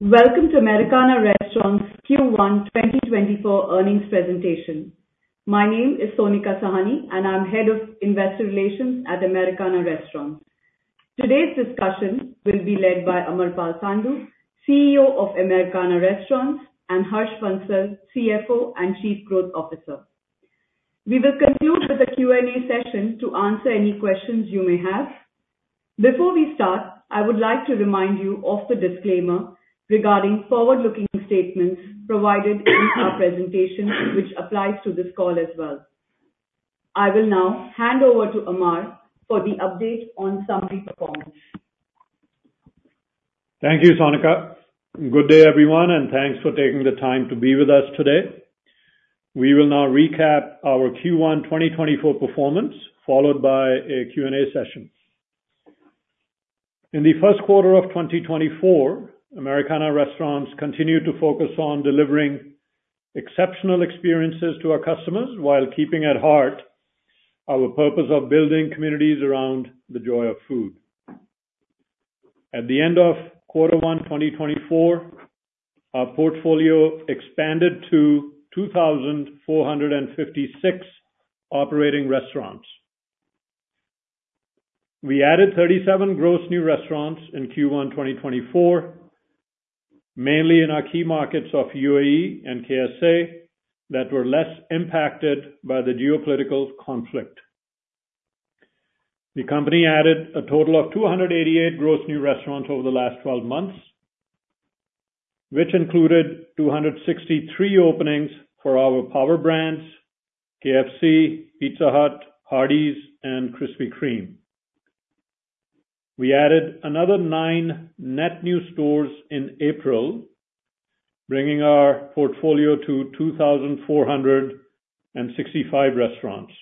Welcome to Americana Restaurants Q1 2024 earnings presentation. My name is Sonika Sahni and I'm Head of Investor Relations at Americana Restaurants. Today's discussion will be led by Amarpal Sandhu, CEO of Americana Restaurants, and Harsh Bansal, CFO and Chief Growth Officer. We will conclude with a Q&A session to answer any questions you may have. Before we start, I would like to remind you of the disclaimer regarding forward-looking statements provided in our presentation, which applies to this call as well. I will now hand over to Amar for the update on summary performance. Thank you, Sonika. Good day everyone, and thanks for taking the time to be with us today. We will now recap our Q1 2024 performance, followed by a Q&A session. In the first quarter of 2024, Americana Restaurants continued to focus on delivering exceptional experiences to our customers while keeping at heart our purpose of building communities around the joy of food. At the end of quarter one 2024, our portfolio expanded to 2,456 operating restaurants. We added 37 gross new restaurants in Q1 2024, mainly in our key markets of UAE and KSA that were less impacted by the geopolitical conflict. The company added a total of 288 gross new restaurants over the last 12 months, which included 263 openings for our power brands: KFC, Pizza Hut, Hardee's, and Krispy Kreme. We added another nine net new stores in April, bringing our portfolio to 2,465 restaurants.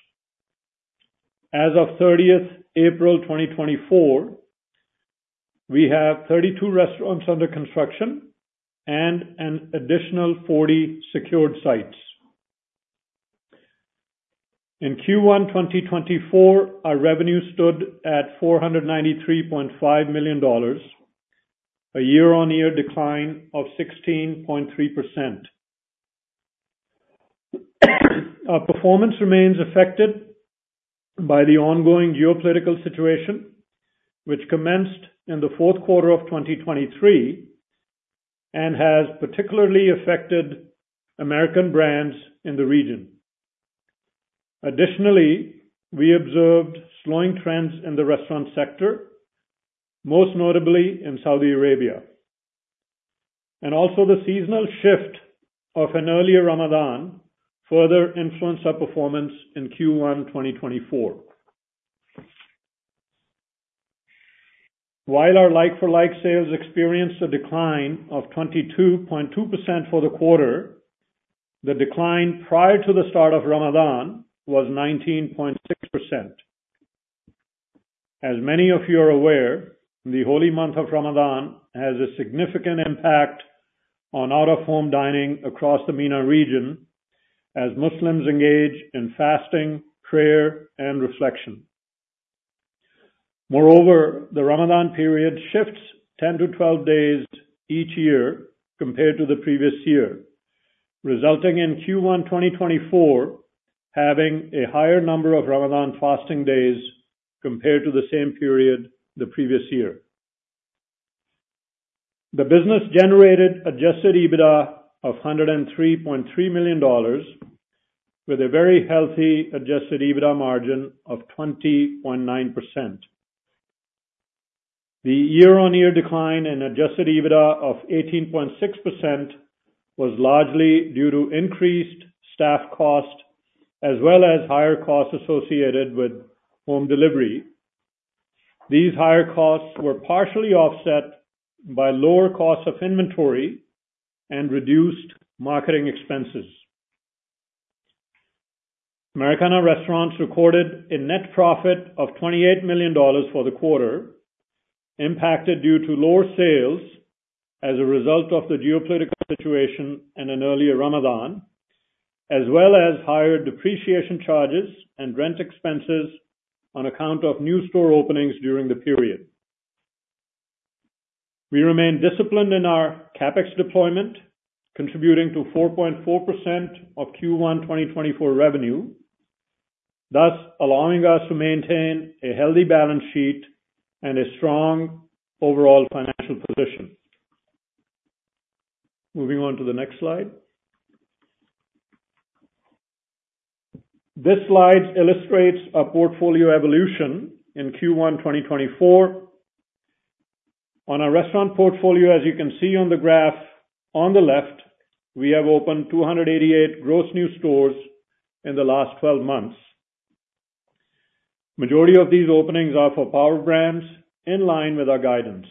As of 30 April 2024, we have 32 restaurants under construction and an additional 40 secured sites. In Q1 2024, our revenue stood at $493.5 million, a year-on-year decline of 16.3%. Our performance remains affected by the ongoing geopolitical situation, which commenced in the fourth quarter of 2023 and has particularly affected American brands in the region. Additionally, we observed slowing trends in the restaurant sector, most notably in Saudi Arabia. The seasonal shift of an earlier Ramadan further influenced our performance in Q1 2024. While our like-for-like sales experienced a decline of 22.2% for the quarter, the decline prior to the start of Ramadan was 19.6%. As many of you are aware, the holy month of Ramadan has a significant impact on out-of-home dining across the MENA region as Muslims engage in fasting, prayer, and reflection. Moreover, the Ramadan period shifts 10-12 days each year compared to the previous year, resulting in Q1 2024 having a higher number of Ramadan fasting days compared to the same period the previous year. The business generated adjusted EBITDA of $103.3 million, with a very healthy adjusted EBITDA margin of 20.9%. The year-on-year decline in adjusted EBITDA of 18.6% was largely due to increased staff cost as well as higher costs associated with home delivery. These higher costs were partially offset by lower costs of inventory and reduced marketing expenses. Americana Restaurants recorded a net profit of $28 million for the quarter, impacted due to lower sales as a result of the geopolitical situation and an earlier Ramadan, as well as higher depreciation charges and rent expenses on account of new store openings during the period. We remain disciplined in our CapEx deployment, contributing to 4.4% of Q1 2024 revenue, thus allowing us to maintain a healthy balance sheet and a strong overall financial position. Moving on to the next slide. This slide illustrates our portfolio evolution in Q1 2024. On our restaurant portfolio, as you can see on the graph on the left, we have opened 288 gross new stores in the last 12 months. Majority of these openings are for power brands, in line with our guidance.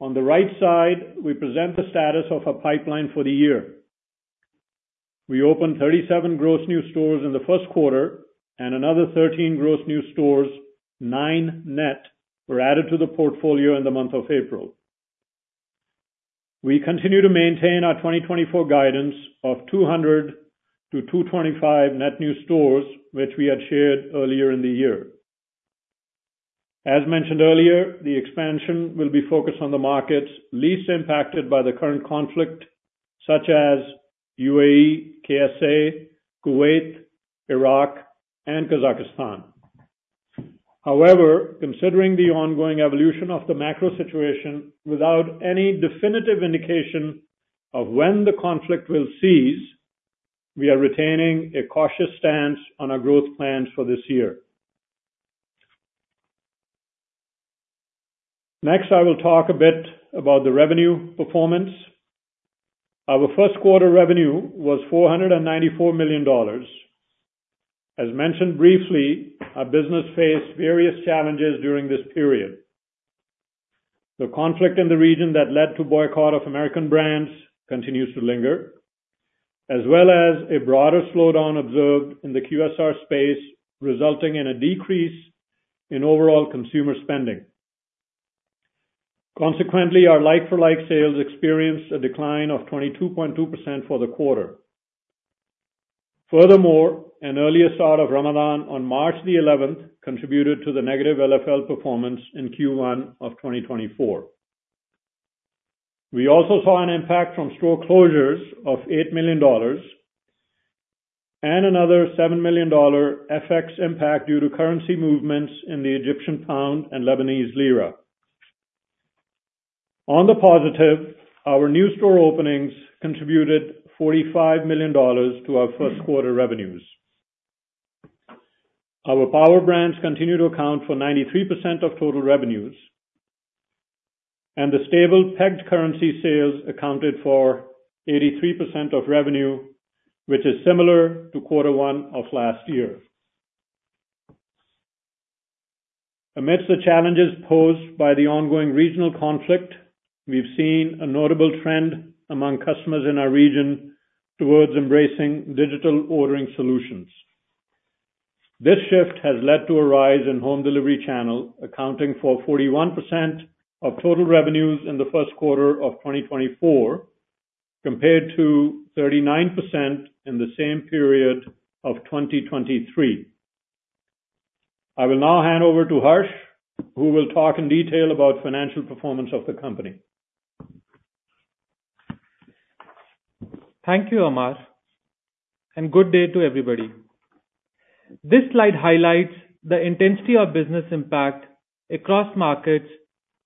On the right side, we present the status of our pipeline for the year. We opened 37 gross new stores in the first quarter, and another 13 gross new stores, nine net, were added to the portfolio in the month of April. We continue to maintain our 2024 guidance of 200-225 net new stores, which we had shared earlier in the year. As mentioned earlier, the expansion will be focused on the markets least impacted by the current conflict, such as UAE, KSA, Kuwait, Iraq, and Kazakhstan. However, considering the ongoing evolution of the macro situation without any definitive indication of when the conflict will cease, we are retaining a cautious stance on our growth plans for this year. Next, I will talk a bit about the revenue performance. Our first quarter revenue was $494 million. As mentioned briefly, our business faced various challenges during this period. The conflict in the region that led to boycott of American brands continues to linger, as well as a broader slowdown observed in the QSR space, resulting in a decrease in overall consumer spending. Consequently, our like-for-like sales experienced a decline of 22.2% for the quarter. Furthermore, an earlier start of Ramadan on March 11 contributed to the negative LFL performance in Q1 of 2024. We also saw an impact from store closures of $8 million and another $7 million FX impact due to currency movements in the Egyptian pound and Lebanese lira. On the positive, our new store openings contributed $45 million to our first quarter revenues. Our power brands continue to account for 93% of total revenues, and the stable pegged currency sales accounted for 83% of revenue, which is similar to quarter one of last year. Amidst the challenges posed by the ongoing regional conflict, we've seen a notable trend among customers in our region towards embracing digital ordering solutions. This shift has led to a rise in home delivery channel, accounting for 41% of total revenues in the first quarter of 2024 compared to 39% in the same period of 2023. I will now hand over to Harsh, who will talk in detail about financial performance of the company. Thank you, Amar, and good day to everybody. This slide highlights the intensity of business impact across markets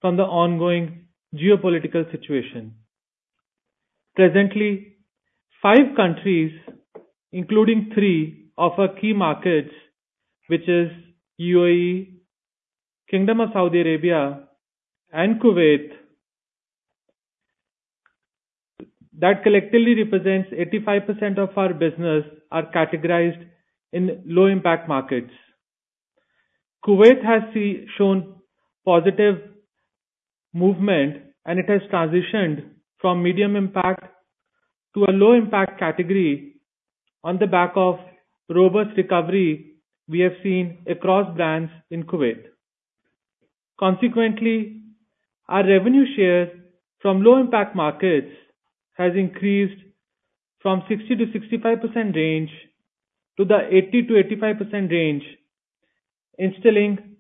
from the ongoing geopolitical situation. Presently, five countries, including three of our key markets, which are UAE, Kingdom of Saudi Arabia, and Kuwait, that collectively represents 85% of our business are categorized in low-impact markets. Kuwait has shown positive movement, and it has transitioned from medium impact to a low-impact category on the back of robust recovery we have seen across brands in Kuwait. Consequently, our revenue share from low-impact markets has increased from 60%-65% range to the 80%-85% range, instilling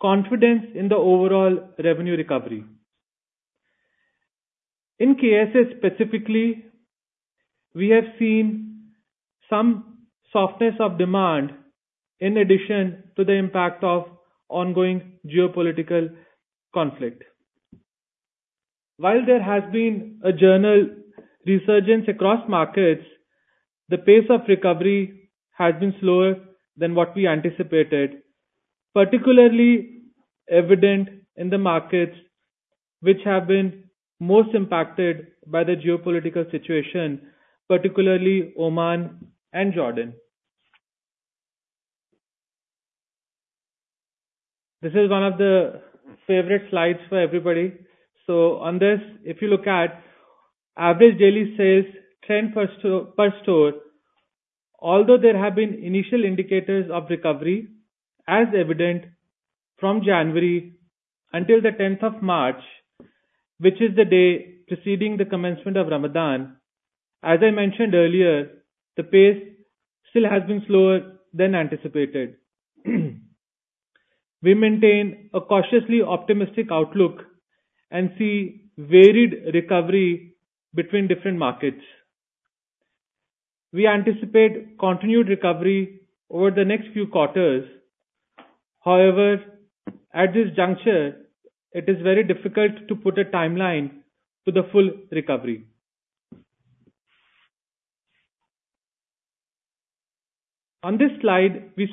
confidence in the overall revenue recovery. In KSA specifically, we have seen some softness of demand in addition to the impact of ongoing geopolitical conflict. While there has been a general resurgence across markets, the pace of recovery has been slower than what we anticipated, particularly evident in the markets which have been most impacted by the geopolitical situation, particularly Oman and Jordan. This is one of the favorite slides for everybody. So on this, if you look at average daily sales trend per store, although there have been initial indicators of recovery, as evident from January until the 10th of March, which is the day preceding the commencement of Ramadan, as I mentioned earlier, the pace still has been slower than anticipated. We maintain a cautiously optimistic outlook and see varied recovery between different markets. We anticipate continued recovery over the next few quarters. However, at this juncture, it is very difficult to put a timeline to the full recovery. On this slide, we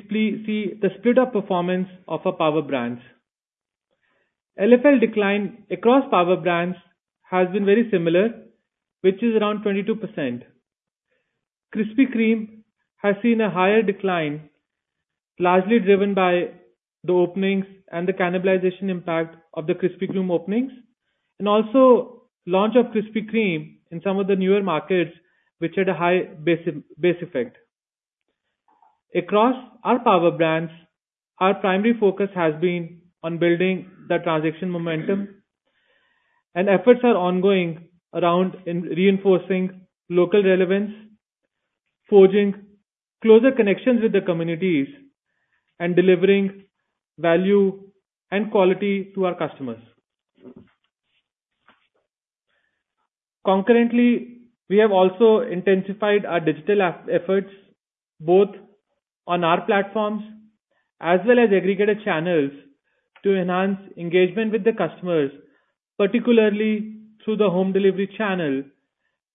see the split of performance of our power brands. LFL decline across power brands has been very similar, which is around 22%. Krispy Kreme has seen a higher decline, largely driven by the openings and the cannibalization impact of the Krispy Kreme openings, and also launch of Krispy Kreme in some of the newer markets, which had a high base effect. Across our power brands, our primary focus has been on building the transaction momentum, and efforts are ongoing around reinforcing local relevance, forging closer connections with the communities, and delivering value and quality to our customers. Concurrently, we have also intensified our digital efforts both on our platforms as well as aggregated channels to enhance engagement with the customers, particularly through the home delivery channel,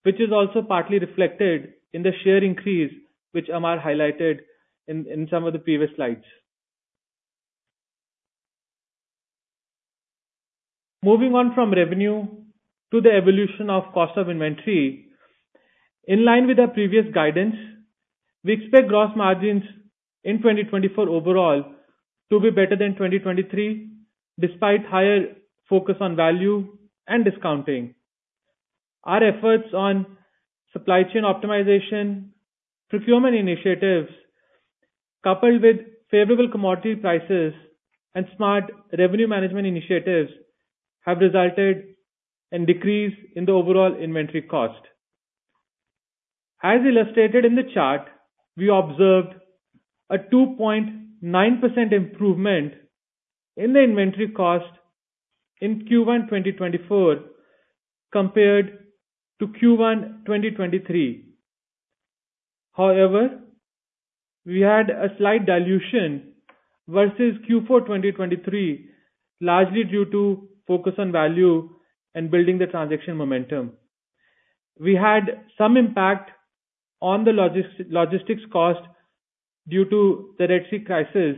which is also partly reflected in the share increase which Amar highlighted in some of the previous slides. Moving on from revenue to the evolution of cost of inventory. In line with our previous guidance, we expect gross margins in 2024 overall to be better than 2023, despite higher focus on value and discounting. Our efforts on supply chain optimization, procurement initiatives, coupled with favorable commodity prices, and smart revenue management initiatives have resulted in a decrease in the overall inventory cost. As illustrated in the chart, we observed a 2.9% improvement in the inventory cost in Q1 2024 compared to Q1 2023. However, we had a slight dilution versus Q4 2023, largely due to focus on value and building the transaction momentum. We had some impact on the logistics cost due to the Red Sea crisis,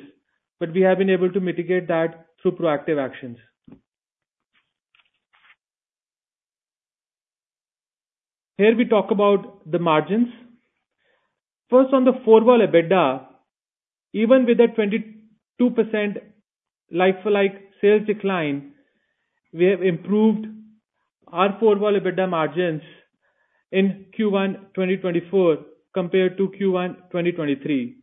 but we have been able to mitigate that through proactive actions. Here we talk about the margins. First, on the four-wall EBITDA, even with a 22% like-for-like sales decline, we have improved our four-wall EBITDA margins in Q1 2024 compared to Q1 2023.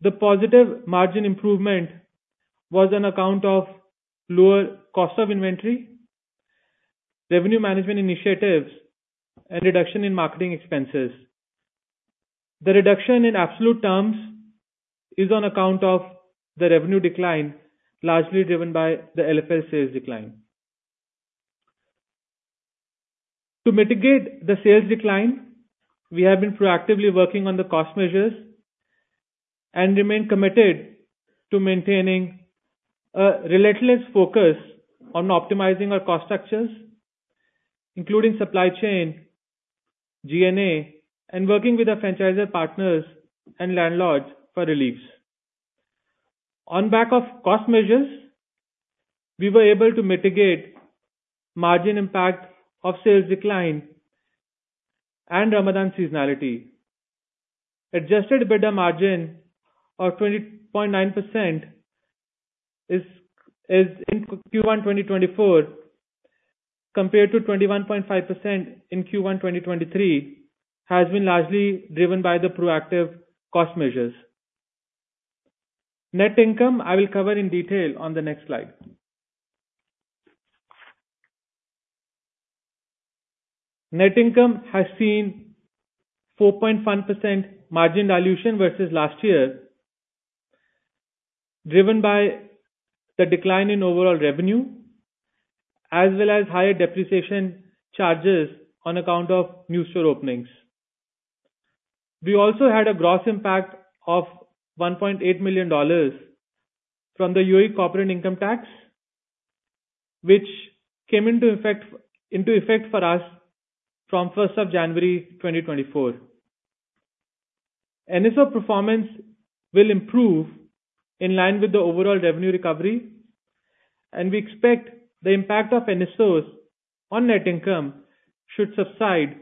The positive margin improvement was on account of lower cost of inventory, revenue management initiatives, and reduction in marketing expenses. The reduction in absolute terms is on account of the revenue decline, largely driven by the LFL sales decline. To mitigate the sales decline, we have been proactively working on the cost measures and remain committed to maintaining a relentless focus on optimizing our cost structures, including supply chain, G&A, and working with our franchisor partners and landlords for reliefs. On the back of cost measures, we were able to mitigate margin impact of sales decline and Ramadan seasonality. Adjusted EBITDA margin of 20.9% in Q1 2024 compared to 21.5% in Q1 2023 has been largely driven by the proactive cost measures. Net income, I will cover in detail on the next slide. Net income has seen 4.1% margin dilution versus last year, driven by the decline in overall revenue as well as higher depreciation charges on account of new store openings. We also had a gross impact of $1.8 million from the UAE corporate income tax, which came into effect for us from 1st of January 2024. NSO performance will improve in line with the overall revenue recovery, and we expect the impact of NSOs on net income should subside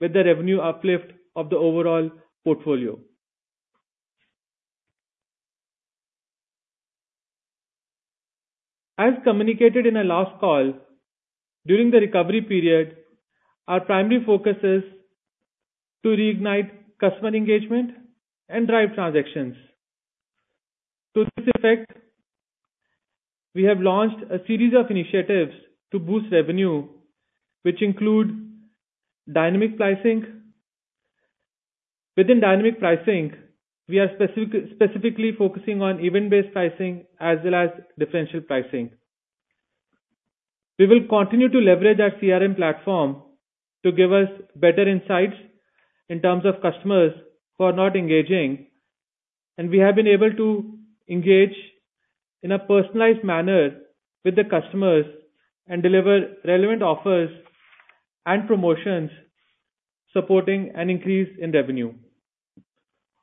with the revenue uplift of the overall portfolio. As communicated in our last call, during the recovery period, our primary focus is to reignite customer engagement and drive transactions. To this effect, we have launched a series of initiatives to boost revenue, which include dynamic pricing. Within dynamic pricing, we are specifically focusing on event-based pricing as well as differential pricing. We will continue to leverage our CRM platform to give us better insights in terms of customers who are not engaging, and we have been able to engage in a personalized manner with the customers and deliver relevant offers and promotions supporting an increase in revenue.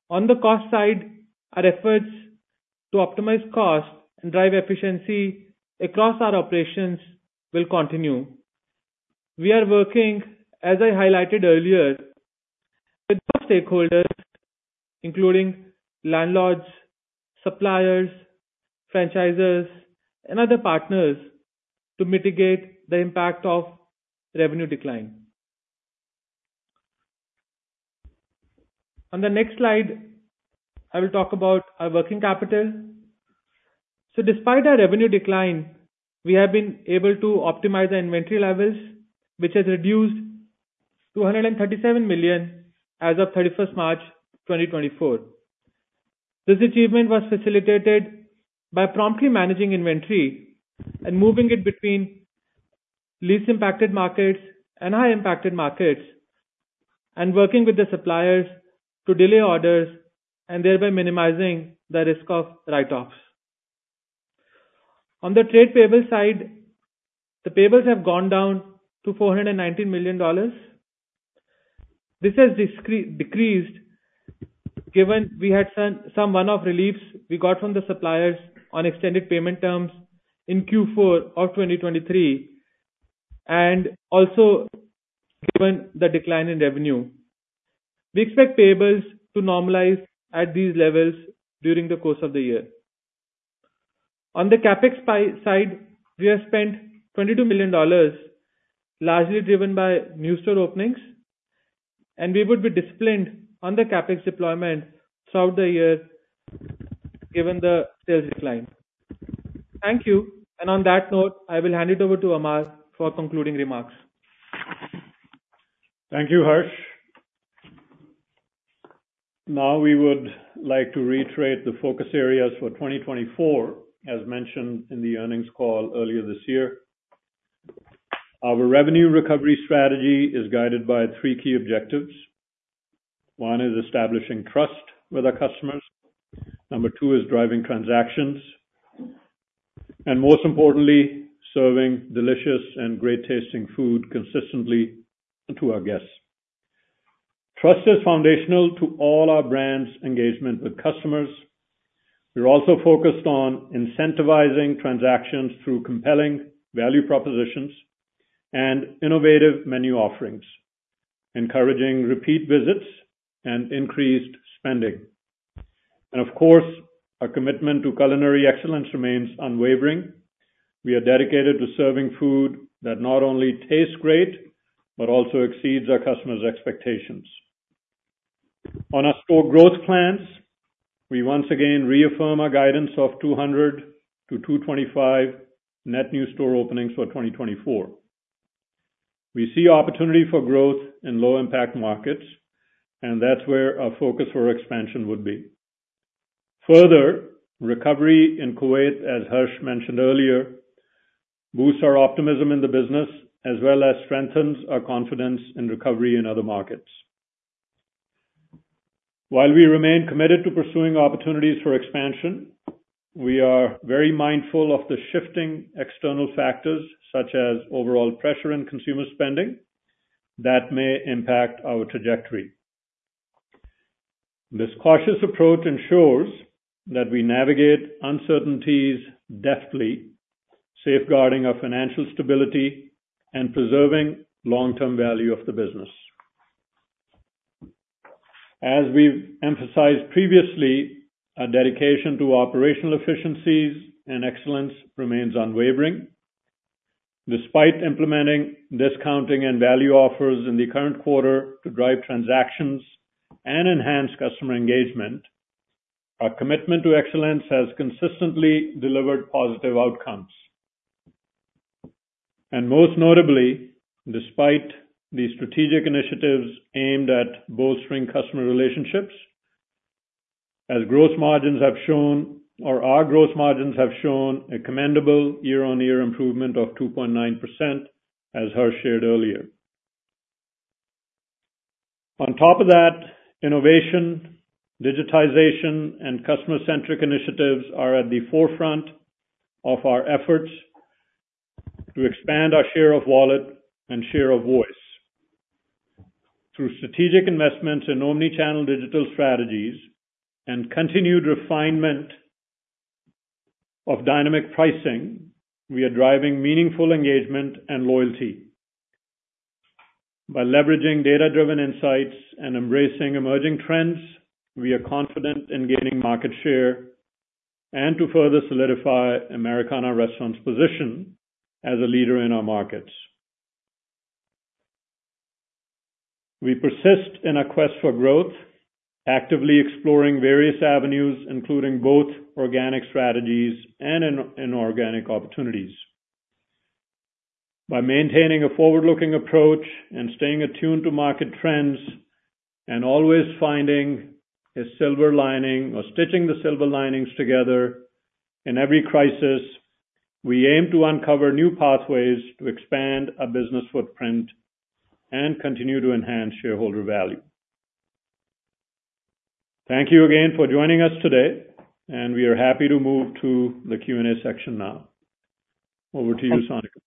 On the cost side, our efforts to optimize cost and drive efficiency across our operations will continue. We are working, as I highlighted earlier, with other stakeholders, including landlords, suppliers, franchisers, and other partners, to mitigate the impact of revenue decline. On the next slide, I will talk about our working capital. So despite our revenue decline, we have been able to optimize our inventory levels, which has reduced to $137 million as of 31st March 2024. This achievement was facilitated by promptly managing inventory and moving it between least impacted markets and high impacted markets, and working with the suppliers to delay orders and thereby minimizing the risk of write-offs. On the trade payable side, the payables have gone down to $419 million. This has decreased given we had some one-off reliefs we got from the suppliers on extended payment terms in Q4 of 2023 and also given the decline in revenue. We expect payables to normalize at these levels during the course of the year. On the CapEx side, we have spent $22 million, largely driven by new store openings, and we would be disciplined on the CapEx deployment throughout the year given the sales decline. Thank you. And on that note, I will hand it over to Amar for concluding remarks. Thank you, Harsh. Now we would like to reiterate the focus areas for 2024, as mentioned in the earnings call earlier this year. Our revenue recovery strategy is guided by three key objectives. One is establishing trust with our customers. Number two is driving transactions. And most importantly, serving delicious and great-tasting food consistently to our guests. Trust is foundational to all our brands' engagement with customers. We're also focused on incentivizing transactions through compelling value propositions and innovative menu offerings, encouraging repeat visits and increased spending. And of course, our commitment to culinary excellence remains unwavering. We are dedicated to serving food that not only tastes great but also exceeds our customers' expectations. On our store growth plans, we once again reaffirm our guidance of 200-225 net new store openings for 2024. We see opportunity for growth in low-impact markets, and that's where our focus for expansion would be. Further, recovery in Kuwait, as Harsh mentioned earlier, boosts our optimism in the business as well as strengthens our confidence in recovery in other markets. While we remain committed to pursuing opportunities for expansion, we are very mindful of the shifting external factors such as overall pressure and consumer spending that may impact our trajectory. This cautious approach ensures that we navigate uncertainties deftly, safeguarding our financial stability and preserving long-term value of the business. As we've emphasized previously, our dedication to operational efficiencies and excellence remains unwavering. Despite implementing discounting and value offers in the current quarter to drive transactions and enhance customer engagement, our commitment to excellence has consistently delivered positive outcomes. Most notably, despite the strategic initiatives aimed at bolstering customer relationships, as gross margins have shown or our gross margins have shown a commendable year-on-year improvement of 2.9%, as Harsh shared earlier. On top of that, innovation, digitization, and customer-centric initiatives are at the forefront of our efforts to expand our share of wallet and share of voice. Through strategic investments in omnichannel digital strategies and continued refinement of dynamic pricing, we are driving meaningful engagement and loyalty. By leveraging data-driven insights and embracing emerging trends, we are confident in gaining market share and to further solidify Americana Restaurants' position as a leader in our markets. We persist in our quest for growth, actively exploring various avenues, including both organic strategies and inorganic opportunities. By maintaining a forward-looking approach and staying attuned to market trends and always finding a silver lining or stitching the silver linings together in every crisis, we aim to uncover new pathways to expand our business footprint and continue to enhance shareholder value. Thank you again for joining us today, and we are happy to move to the Q&A section now. Over to you, Sonika.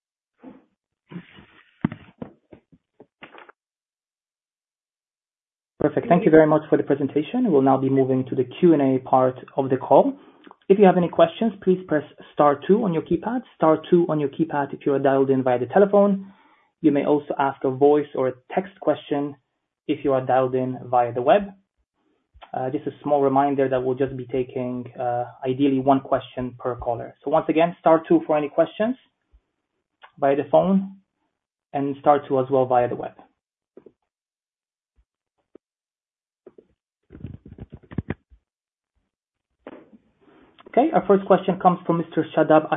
Perfect. Thank you very much for the presentation. We'll now be moving to the Q&A part of the call. If you have any questions, please press star two on your keypad. Star two on your keypad if you are dialed in via the telephone. You may also ask a voice or a text question if you are dialed in via the web. Just a small reminder that we'll just be taking ideally one question per caller. So once again, star two for any questions via the phone and star two as well via the web. Okay. Our first question comes from Mr. Shadab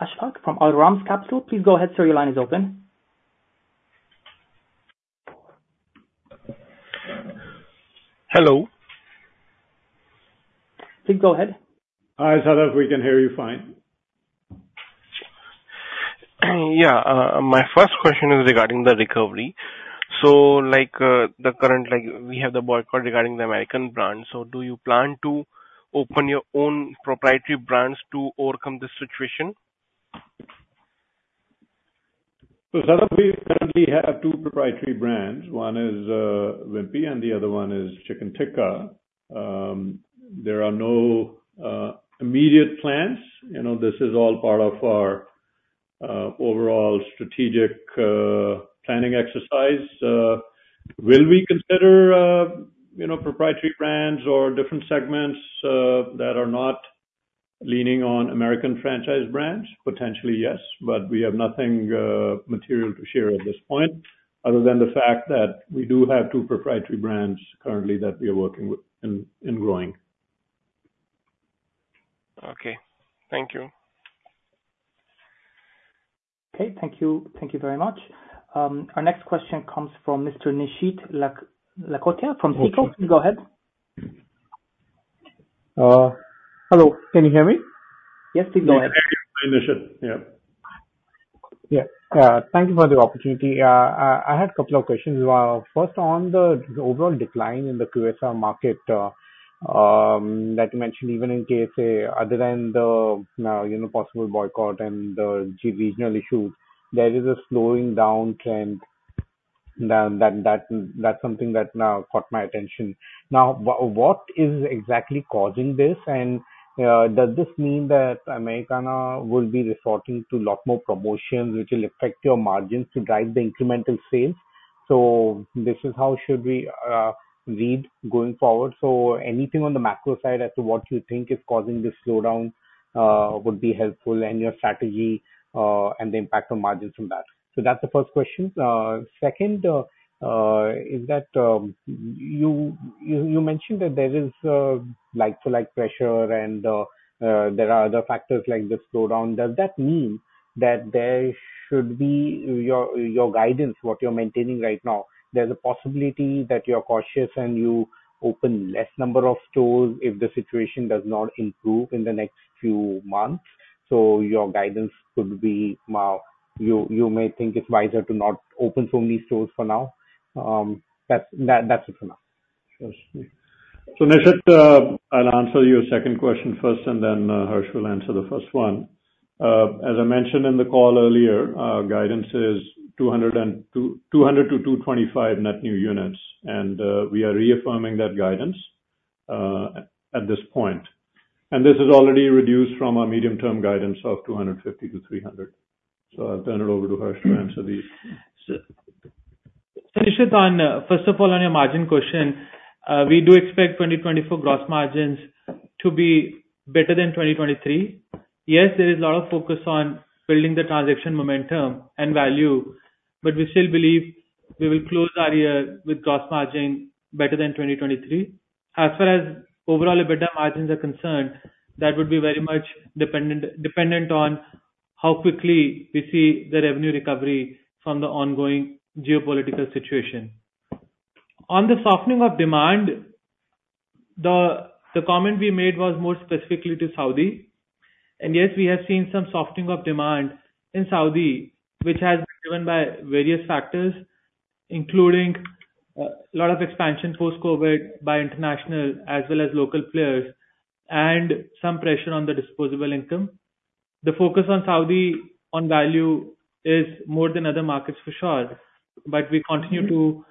Ashfaq from Al Ramz Capital. Please go ahead, sir. Your line is open. Hello. Please go ahead. Hi, Shadab. We can hear you fine. Yeah. My first question is regarding the recovery. So currently we have the boycott regarding the American brands. So do you plan to open your own proprietary brands to overcome this situation? So Shadab, we currently have two proprietary brands. One is Wimpy, and the other one is Chicken Tikka. There are no immediate plans. This is all part of our overall strategic planning exercise. Will we consider proprietary brands or different segments that are not leaning on American franchise brands? Potentially, yes. But we have nothing material to share at this point other than the fact that we do have two proprietary brands currently that we are working with and growing. Okay. Thank you. Okay. Thank you very much. Our next question comes from Mr. Nishit Lakhotia from SICO Capital. Please go ahead. Hello. Can you hear me? Yes. Please go ahead Nishit. Yep. Yeah. Thank you for the opportunity. I had a couple of questions as well. First, on the overall decline in the QSR market that you mentioned, even in KSA, other than the possible boycott and the regional issues, there is a slowing down trend. That's something that caught my attention. Now, what is exactly causing this? And does this mean that Americana will be resorting to a lot more promotions, which will affect your margins to drive the incremental sales? So this is how should we read going forward? So anything on the macro side as to what you think is causing this slowdown would be helpful and your strategy and the impact on margins from that. So that's the first question. Second, is that you mentioned that there is like-for-like pressure, and there are other factors like the slowdown. Does that mean that there should be your guidance, what you're maintaining right now, there's a possibility that you're cautious and you open less number of stores if the situation does not improve in the next few months? So your guidance could be you may think it's wiser to not open so many stores for now. That's it for now. Sure. So Nishit, I'll answer your second question first, and then Harsh will answer the first one. As I mentioned in the call earlier, guidance is 200-225 net new units, and we are reaffirming that guidance at this point. This is already reduced from our medium-term guidance of 250-300. I'll turn it over to Harsh to answer these. So Nishit, first of all, on your margin question, we do expect 2024 gross margins to be better than 2023. Yes, there is a lot of focus on building the transaction momentum and value, but we still believe we will close our year with gross margin better than 2023. As far as overall EBITDA margins are concerned, that would be very much dependent on how quickly we see the revenue recovery from the ongoing geopolitical situation. On the softening of demand, the comment we made was more specifically to Saudi. And yes, we have seen some softening of demand in Saudi, which has been driven by various factors, including a lot of expansion post-COVID by international as well as local players and some pressure on the disposable income. The focus on Saudi on value is more than other markets for sure, but we are still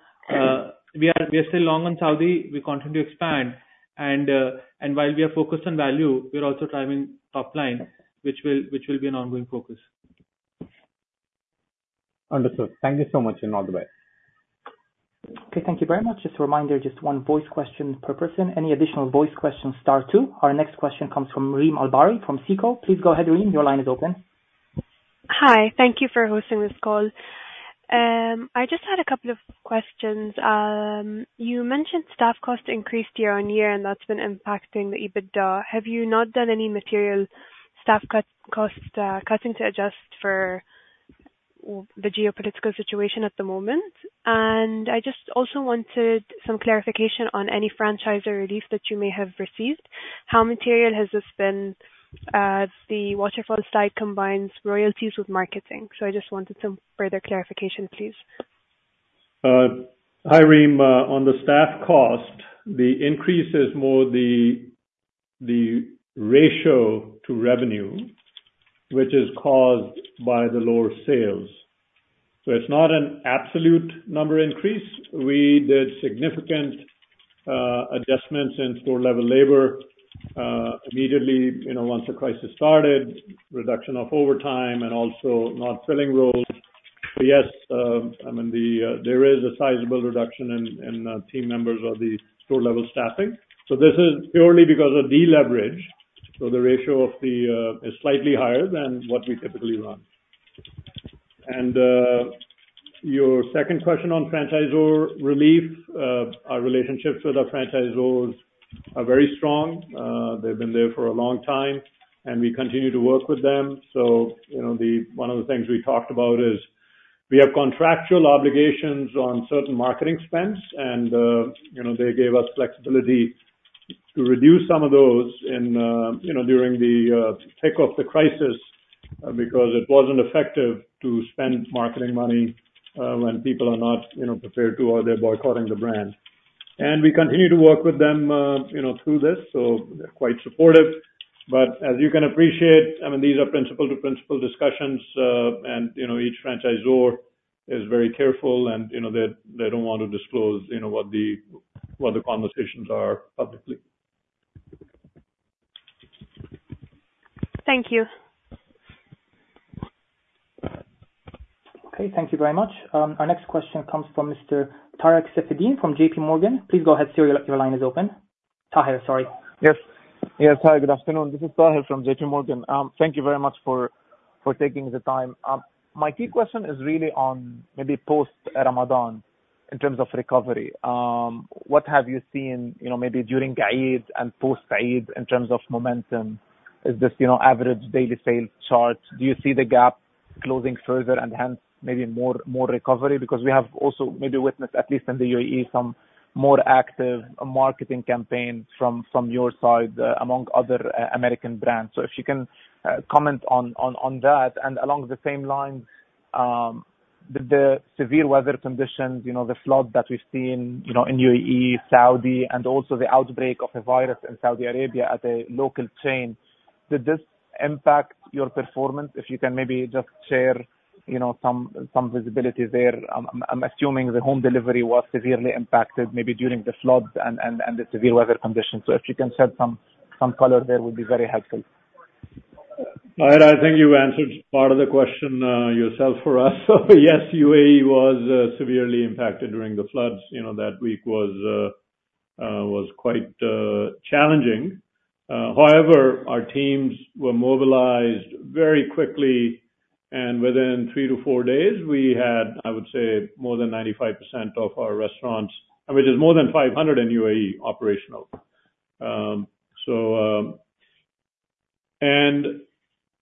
long on Saudi. We continue to expand. While we are focused on value, we're also driving top line, which will be an ongoing focus. Understood. Thank you so much and all the best. Okay. Thank you very much. Just a reminder, just one voice question per person. Any additional voice questions, star two. Our next question comes from Reem AlBarri from SICO Capital. Please go ahead, Reem. Your line is open. Hi. Thank you for hosting this call. I just had a couple of questions. You mentioned staff cost increased year-on-year, and that's been impacting the EBITDA. Have you not done any material staff cutting to adjust for the geopolitical situation at the moment? And I just also wanted some clarification on any franchisor relief that you may have received. How material has this been? The Waterfall slide combines royalties with marketing. So I just wanted some further clarification, please. Hi, Reem. On the staff cost, the increase is more the ratio to revenue, which is caused by the lower sales. So it's not an absolute number increase. We did significant adjustments in store-level labor immediately once the crisis started, reduction of overtime, and also not filling roles. So yes, I mean, there is a sizable reduction in team members or the store-level staffing. So this is purely because of deleverage. So the ratio is slightly higher than what we typically run. And your second question on franchisor relief, our relationships with our franchisors are very strong. They've been there for a long time, and we continue to work with them. So one of the things we talked about is we have contractual obligations on certain marketing spends, and they gave us flexibility to reduce some of those during the thick of the crisis because it wasn't effective to spend marketing money when people are not prepared to or they're boycotting the brand. And we continue to work with them through this. So they're quite supportive. But as you can appreciate, I mean, these are principal-to-principal discussions, and each franchisor is very careful, and they don't want to disclose what the conversations are publicly. Thank you. Okay. Thank you very much. Our next question comes from Mr. Taher Safieddine from JPMorgan. Please go ahead, sir. Your line is open. Taher, sorry. Yes. Yes, Taher. Good afternoon. This is Taher from JPMorgan. Thank you very much for taking the time. My key question is really on maybe post-Ramadan in terms of recovery. What have you seen maybe during Eid and post-Eid in terms of momentum? Is this average daily sales chart? Do you see the gap closing further and hence maybe more recovery? Because we have also maybe witnessed, at least in the UAE, some more active marketing campaigns from your side among other American brands. So if you can comment on that. And along the same lines, did the severe weather conditions, the flood that we've seen in UAE, Saudi, and also the outbreak of a virus in Saudi Arabia at a local chain, did this impact your performance? If you can maybe just share some visibility there. I'm assuming the home delivery was severely impacted maybe during the floods and the severe weather conditions. If you can shed some color there, it would be very helpful. Taher, I think you answered part of the question yourself for us. So yes, UAE was severely impacted during the floods. That week was quite challenging. However, our teams were mobilized very quickly, and within three to five days, we had, I would say, more than 95% of our restaurants, which is more than 500 in UAE, operational.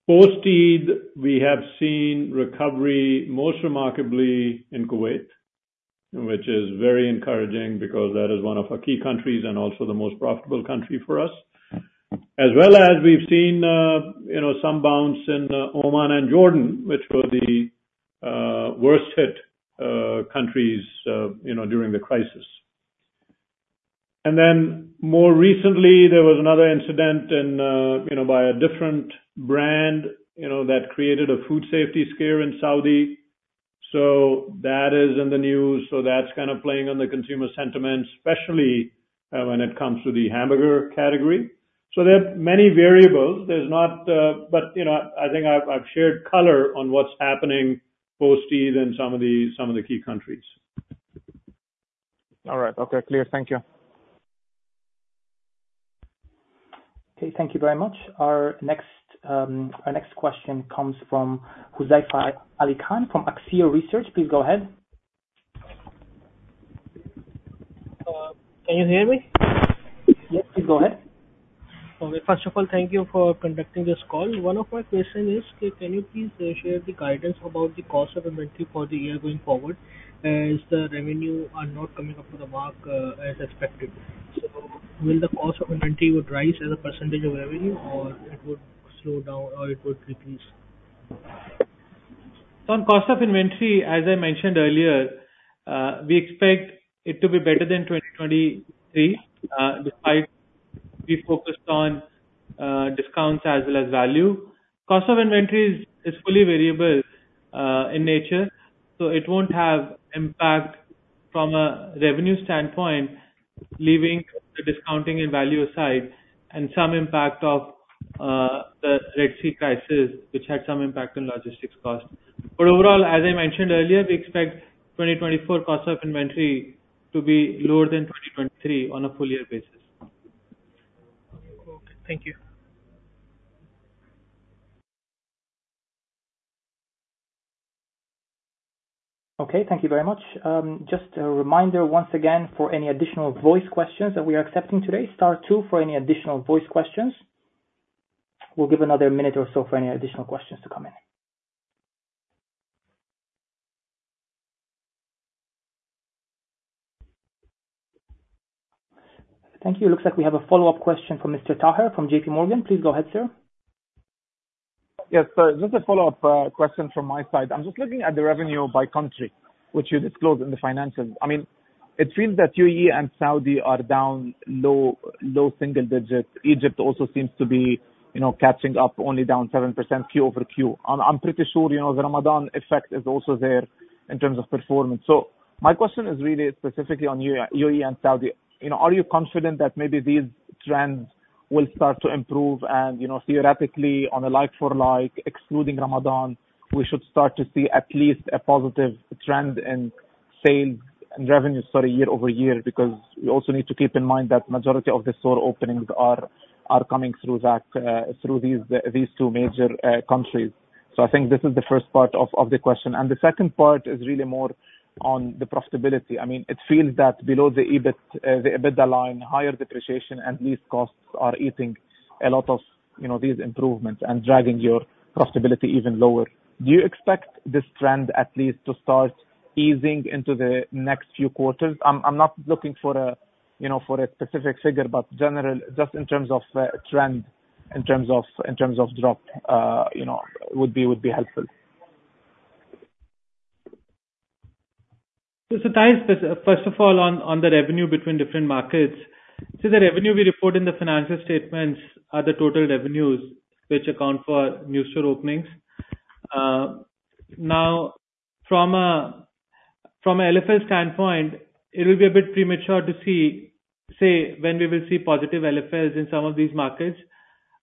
Post-Eid, we have seen recovery most remarkably in Kuwait, which is very encouraging because that is one of our key countries and also the most profitable country for us, as well as we've seen some bounce in Oman and Jordan, which were the worst-hit countries during the crisis. Then more recently, there was another incident by a different brand that created a food safety scare in Saudi. So that is in the news. So that's kind of playing on the consumer sentiment, especially when it comes to the hamburger category. There are many variables. But I think I've shared color on what's happening post-Eid in some of the key countries. All right. Okay. Clear. Thank you. Okay. Thank you very much. Our next question comes from Huzaifa Ali Khan from Akseer Research. Please go ahead. Can you hear me? Yes. Please go ahead. Okay. First of all, thank you for conducting this call. One of my questions is, can you please share the guidance about the cost of inventory for the year going forward, as the revenue are not coming up to the mark as expected? So will the cost of inventory would rise as a percentage of revenue, or it would slow down, or it would decrease? On cost of inventory, as I mentioned earlier, we expect it to be better than 2023 despite being focused on discounts as well as value. Cost of inventory is fully variable in nature. So it won't have impact from a revenue standpoint, leaving the discounting and value aside, and some impact of the Red Sea crisis, which had some impact on logistics costs. But overall, as I mentioned earlier, we expect 2024 cost of inventory to be lower than 2023 on a full-year basis. Okay. Thank you. Okay. Thank you very much. Just a reminder once again, for any additional voice questions, that we are accepting today. Star 2 for any additional voice questions. We'll give another minute or so for any additional questions to come in. Thank you. It looks like we have a follow-up question from Mr. Taher from JPMorgan. Please go ahead, sir. Yes. So just a follow-up question from my side. I'm just looking at the revenue by country, which you disclosed in the finances. I mean, it feels that UAE and Saudi are down low single digits. Egypt also seems to be catching up, only down 7% Q over Q. I'm pretty sure the Ramadan effect is also there in terms of performance. So my question is really specifically on UAE and Saudi. Are you confident that maybe these trends will start to improve? And theoretically, on a like-for-like, excluding Ramadan, we should start to see at least a positive trend in sales and revenue, sorry, year-over-year because we also need to keep in mind that the majority of the store openings are coming through these two major countries. So I think this is the first part of the question. The second part is really more on the profitability. I mean, it feels that below the EBITDA line, higher depreciation and lease costs are eating a lot of these improvements and dragging your profitability even lower. Do you expect this trend at least to start easing into the next few quarters? I'm not looking for a specific figure, but just in terms of trend, in terms of drop, would be helpful. So, Taher, first of all, on the revenue between different markets, so the revenue we report in the financial statements are the total revenues, which account for new store openings. Now, from an LFL standpoint, it will be a bit premature to see, say, when we will see positive LFLs in some of these markets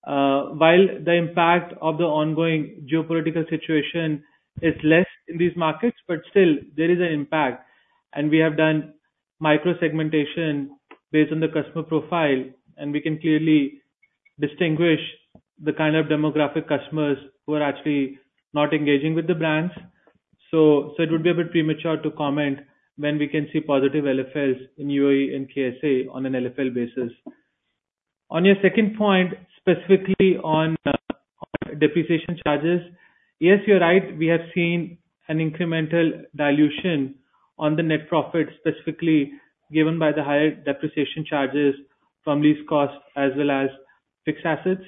while the impact of the ongoing geopolitical situation is less in these markets. But still, there is an impact. And we have done microsegmentation based on the customer profile, and we can clearly distinguish the kind of demographic customers who are actually not engaging with the brands. So it would be a bit premature to comment when we can see positive LFLs in UAE and KSA on an LFL basis. On your second point, specifically on depreciation charges, yes, you're right. We have seen an incremental dilution on the net profit, specifically given by the higher depreciation charges from lease costs as well as fixed assets.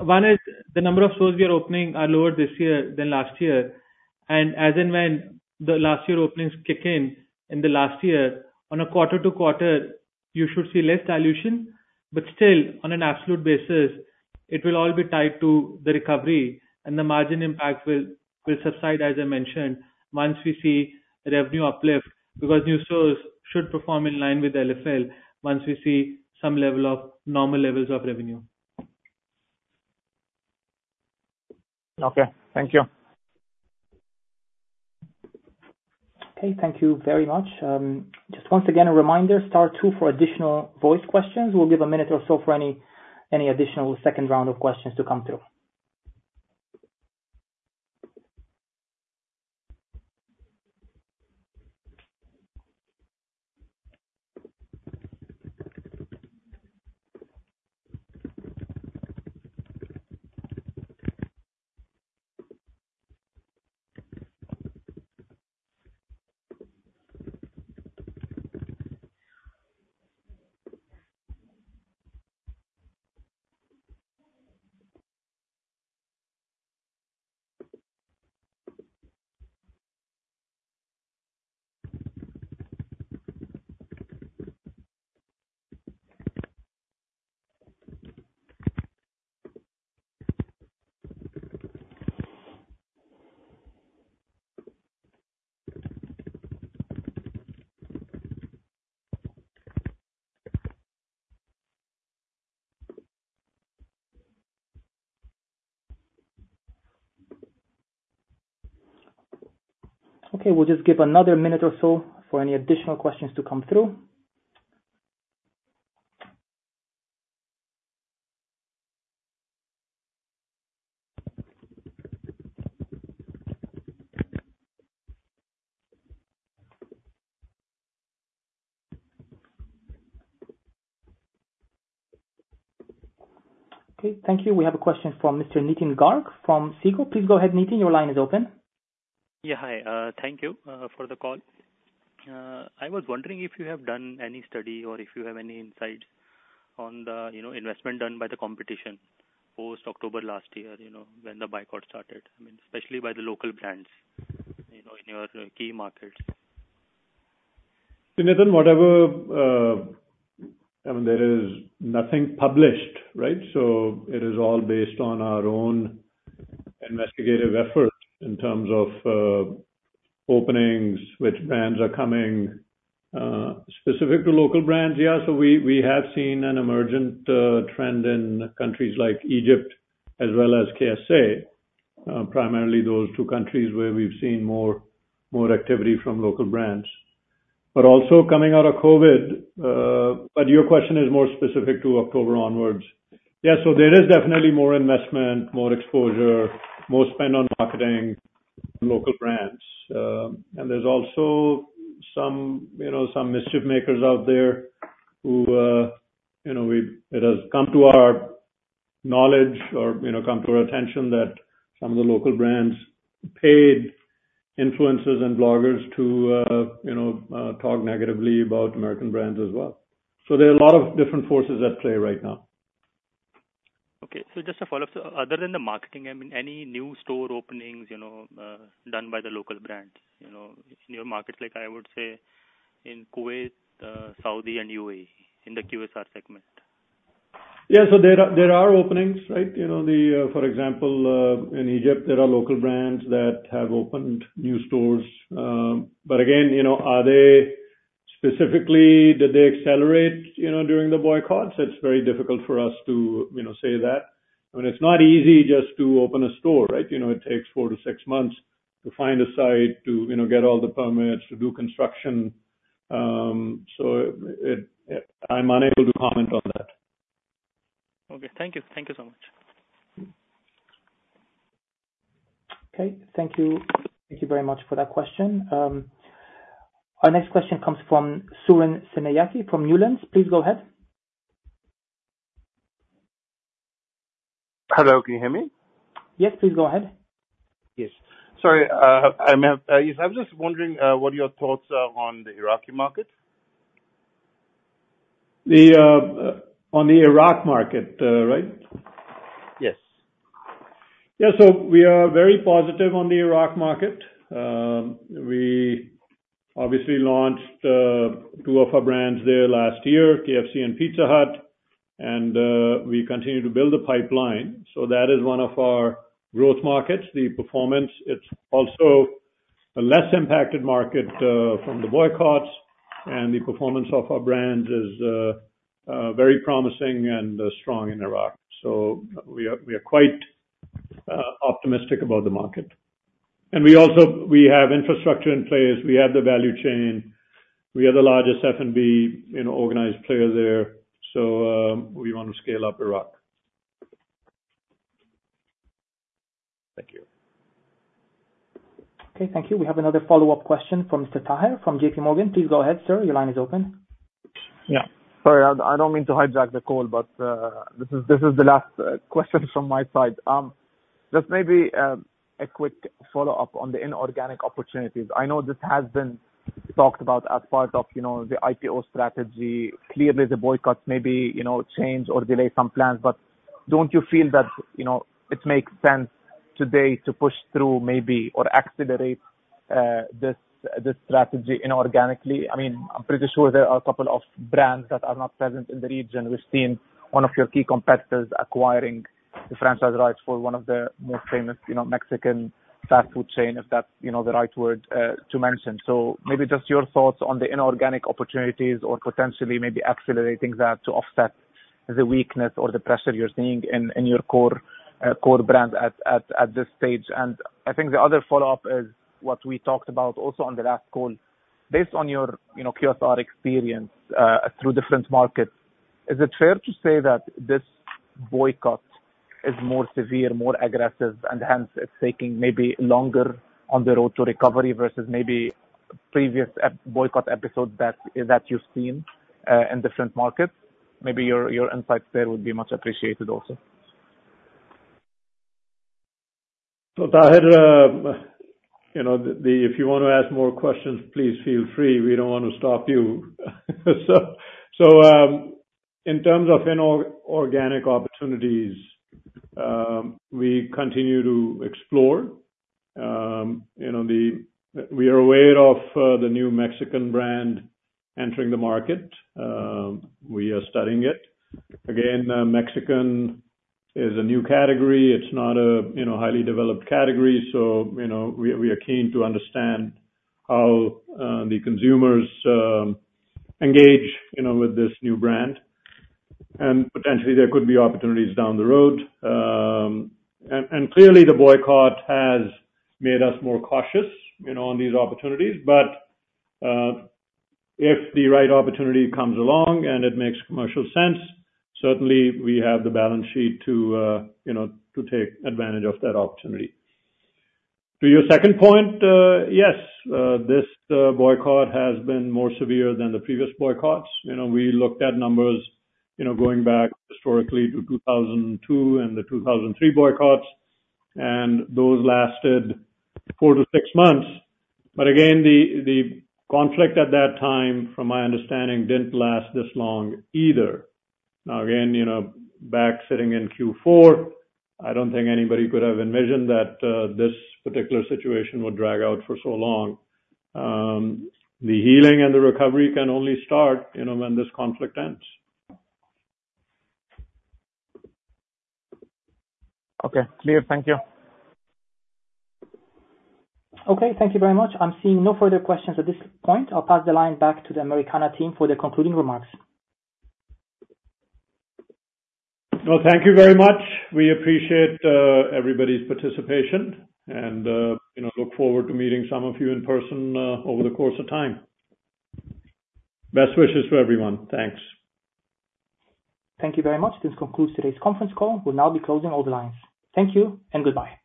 One is the number of stores we are opening are lower this year than last year. And as in when the last year openings kick in in the last year, on a quarter-to-quarter, you should see less dilution. But still, on an absolute basis, it will all be tied to the recovery, and the margin impact will subside, as I mentioned, once we see revenue uplift because new stores should perform in line with LFL once we see some level of normal levels of revenue. Okay. Thank you. Okay. Thank you very much. Just once again, a reminder, star two for additional voice questions. We'll give a minute or so for any additional second round of questions to come through. Okay. We'll just give another minute or so for any additional questions to come through. Okay. Thank you. We have a question from Mr. Nitin Garg from SICO. Please go ahead, Nitin. Your line is open. Yeah. Hi. Thank you for the call. I was wondering if you have done any study or if you have any insights on the investment done by the competition post-October last year when the boycott started, I mean, especially by the local brands in your key markets? Nitin, whatever I mean, there is nothing published, right? So it is all based on our own investigative effort in terms of openings, which brands are coming. Specific to local brands, yeah. So we have seen an emergent trend in countries like Egypt as well as KSA, primarily those two countries where we've seen more activity from local brands. But also coming out of COVID but your question is more specific to October onwards. Yeah. So there is definitely more investment, more exposure, more spend on marketing from local brands. And there's also some mischief-makers out there who it has come to our knowledge or come to our attention that some of the local brands paid influencers and bloggers to talk negatively about American brands as well. So there are a lot of different forces at play right now. Okay. So just a follow-up. So other than the marketing, I mean, any new store openings done by the local brands in your markets? I would say in Kuwait, Saudi, and UAE in the QSR segment. Yeah. So there are openings, right? For example, in Egypt, there are local brands that have opened new stores. But again, are they specifically did they accelerate during the boycotts? It's very difficult for us to say that. I mean, it's not easy just to open a store, right? It takes four to six months to find a site, to get all the permits, to do construction. So I'm unable to comment on that. Okay. Thank you. Thank you so much. Okay. Thank you very much for that question. Our next question comes from Suren Senanayake from Newlands. Please go ahead. Hello. Can you hear me? Yes. Please go ahead. Yes. Sorry. Yes, I was just wondering what your thoughts are on the Iraqi market. On the Iraq market, right? Yes. Yeah. So we are very positive on the Iraq market. We obviously launched two of our brands there last year, KFC and Pizza Hut. And we continue to build the pipeline. So that is one of our growth markets, the performance. It's also a less impacted market from the boycotts. And the performance of our brands is very promising and strong in Iraq. So we are quite optimistic about the market. And we have infrastructure in place. We have the value chain. We are the largest F&B organized player there. So we want to scale up Iraq. Thank you. Okay. Thank you. We have another follow-up question from Mr. Taher from JPMorgan. Please go ahead, sir. Your line is open. Yeah. Sorry. I don't mean to hijack the call, but this is the last question from my side. Just maybe a quick follow-up on the inorganic opportunities. I know this has been talked about as part of the IPO strategy. Clearly, the boycotts maybe change or delay some plans. But don't you feel that it makes sense today to push through maybe or accelerate this strategy inorganically? I mean, I'm pretty sure there are a couple of brands that are not present in the region. We've seen one of your key competitors acquiring the franchise rights for one of the most famous Mexican fast food chain, if that's the right word to mention. So maybe just your thoughts on the inorganic opportunities or potentially maybe accelerating that to offset the weakness or the pressure you're seeing in your core brand at this stage. I think the other follow-up is what we talked about also on the last call. Based on your QSR experience through different markets, is it fair to say that this boycott is more severe, more aggressive, and hence it's taking maybe longer on the road to recovery versus maybe previous boycott episodes that you've seen in different markets? Maybe your insights there would be much appreciated also. So Taher, if you want to ask more questions, please feel free. We don't want to stop you. So in terms of inorganic opportunities, we continue to explore. We are aware of the new Mexican brand entering the market. We are studying it. Again, Mexican is a new category. It's not a highly developed category. So we are keen to understand how the consumers engage with this new brand. And potentially, there could be opportunities down the road. And clearly, the boycott has made us more cautious on these opportunities. But if the right opportunity comes along and it makes commercial sense, certainly, we have the balance sheet to take advantage of that opportunity. To your second point, yes, this boycott has been more severe than the previous boycotts. We looked at numbers going back historically to 2002 and the 2003 boycotts. And those lasted four to six months. But again, the conflict at that time, from my understanding, didn't last this long either. Now again, back sitting in Q4, I don't think anybody could have envisioned that this particular situation would drag out for so long. The healing and the recovery can only start when this conflict ends. Okay. Clear. Thank you. Okay. Thank you very much. I'm seeing no further questions at this point. I'll pass the line back to the Americana team for their concluding remarks. Well, thank you very much. We appreciate everybody's participation and look forward to meeting some of you in person over the course of time. Best wishes to everyone. Thanks. Thank you very much. This concludes today's conference call. We'll now be closing all the lines. Thank you and goodbye.